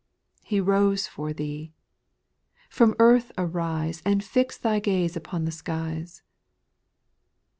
3. He rose for thee I From earth arise, And fix thy gaze upon the skies